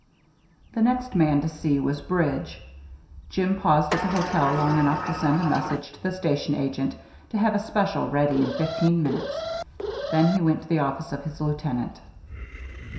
The next man to see was Bridge. Jim paused at the hotel long enough to send a message to the station agent to have a special ready in fifteen minutes; then he went to the office of his lieutenant.